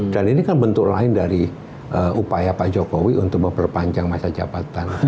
dan ini kan bentuk lain dari upaya pak jokowi untuk memperpanjang masa jabatan